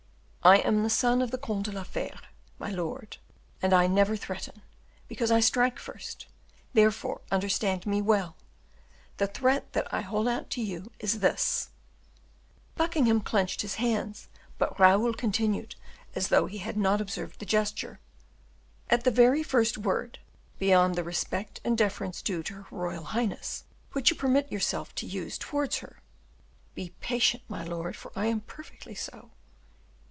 "I am the son of the Comte de la Fere, my lord, and I never threaten, because I strike first. Therefore, understand me well, the threat that I hold out to you is this " Buckingham clenched his hands, but Raoul continued, as though he had not observed the gesture. "At the very first word, beyond the respect and deference due to her royal highness, which you permit yourself to use towards her, be patient my lord, for I am perfectly so."